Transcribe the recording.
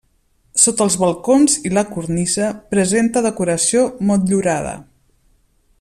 Sota els balcons i la cornisa presenta decoració motllurada.